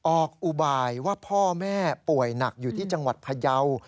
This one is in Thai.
อุบายว่าพ่อแม่ป่วยหนักอยู่ที่จังหวัดพยาว